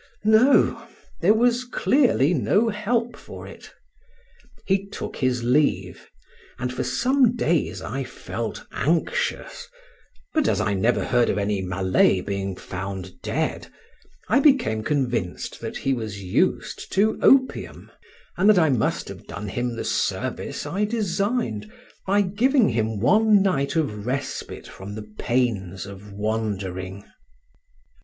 No: there was clearly no help for it. He took his leave, and for some days I felt anxious, but as I never heard of any Malay being found dead, I became convinced that he was used to opium; and that I must have done him the service I designed by giving him one night of respite from the pains of wandering.